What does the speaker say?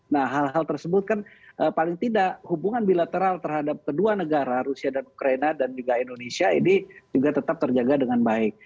nah hal hal tersebut kan paling tidak hubungan bilateral terhadap kedua negara rusia dan ukraina dan juga indonesia ini juga tetap terjaga dengan baik